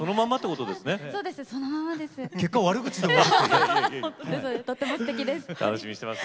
とってもすてきです。